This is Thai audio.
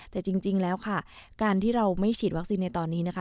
แต่จริงแล้วค่ะการที่เราไม่ฉีดวัคซีนในตอนนี้นะคะ